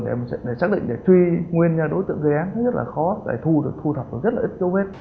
để xác định để truy nguyên đối tượng gây án rất là khó để thu thập rất là ít dấu vết